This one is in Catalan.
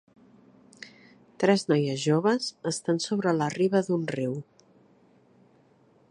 Tres noies joves estan sobre la riba d'un riu.